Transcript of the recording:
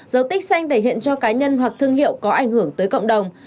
dấu tích xanh thể hiện cho cá nhân hoặc thương hiệu có ảnh hưởng tới cộng đồng